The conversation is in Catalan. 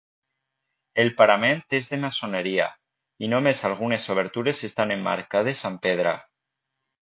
El parament és de maçoneria i només algunes obertures estan emmarcades amb pedra.